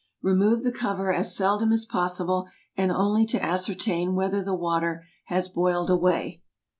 Remove the cover as seldom as possible, and only to ascertain whether the water has boiled away.